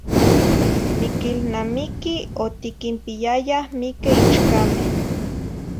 Niquihlnamiqui otiquimpiyayah mique ichcameh.